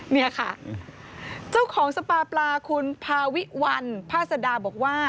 เนี่ยค่ะเจ้าของสปาปลาคุณพาวิวัลพาสดาบอกว่า